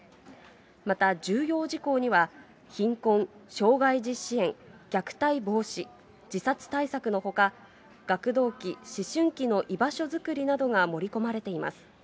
また重要事項には、貧困、障害児支援、虐待防止、自殺対策のほか、学童期、思春期の居場所作りなどが盛り込まれています。